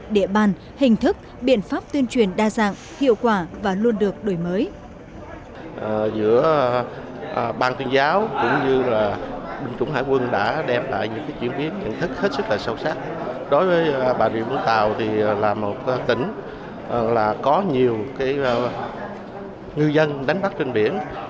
để bàn hình thức biện pháp tuyên truyền đa dạng hiệu quả và luôn được đổi mới